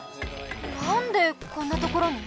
なんでこんなところに？